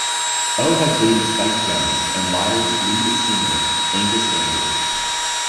O has dated Spike Jonze and Liars lead singer Angus Andrew.